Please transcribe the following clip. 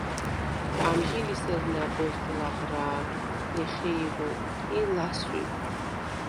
ამჟი ლი სერ ნა̈ბოზდ ლაღრა̄ლ, ლიხი̄რულ ი ლასვიბ.